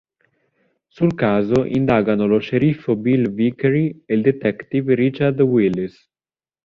Sul caso indagano lo sceriffo Bill Vickery e il detective Richard Willis.